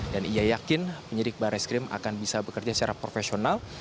dan ia yakin penyidik barai skrim akan bisa bekerja secara profesional